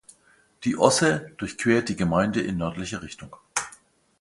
Die Osse durchquert die Gemeinde in nördlicher Richtung.